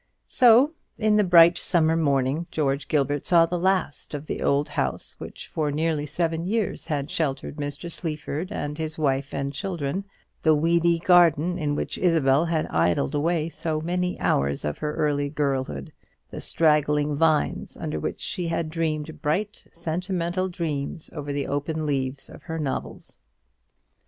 So, in the bright summer morning, George Gilbert saw the last of the old house which for nearly seven years had sheltered Mr. Sleaford and his wife and children, the weedy garden in which Isabel had idled away so many hours of her early girlhood; the straggling vines under which she had dreamed bright sentimental dreams over the open leaves of her novels.